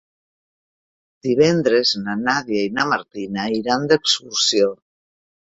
Divendres na Nàdia i na Martina iran d'excursió.